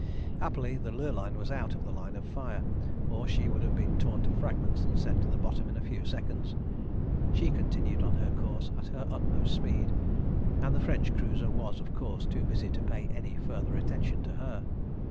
Happily the Lurline was out of the line of fire, or she would have been torn to fragments and sent to the bottom in a few seconds. She continued on her course at her utmost speed, and the French cruiser was, of course, too busy to pay any further attention to her.